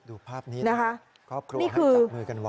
ดูภาพนี้ครับครอบครัวจับมือกันไว้